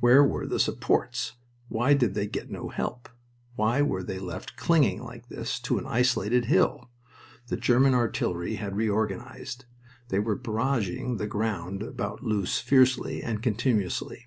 Where were the supports? Why did they get no help? Why were they left clinging like this to an isolated hill? The German artillery had reorganized. They were barraging the ground about Loos fiercely and continuously.